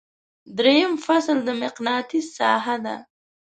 دریم فصل د مقناطیس ساحه ده.